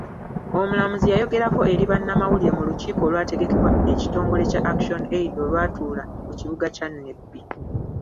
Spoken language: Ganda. Omulamuzi yayogerako eri bannamawulire mu lukiiko olwategekebwa ekitongile Kya Action Aid olwatuula mu kibuga kya Nebbi.